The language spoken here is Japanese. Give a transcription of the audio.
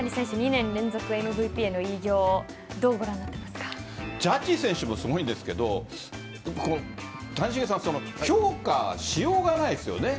２年連続ＭＶＰへの偉業ジャッジ選手もすごいんですが谷繁さん評価しようがないですよね。